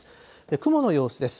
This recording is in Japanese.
雲の様子です。